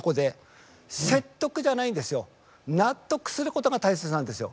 説得じゃないんですよ。納得することが大切なんですよ。